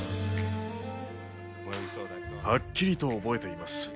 はっきりと覚えています。